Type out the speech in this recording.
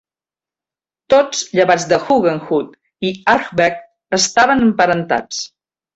Tots llevat de Hoogenhout i Ahrbeck estaven emparentats.